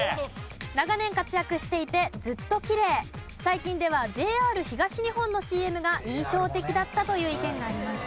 「長年活躍していてずっときれい」「最近ではＪＲ東日本のＣＭが印象的だった」という意見がありました。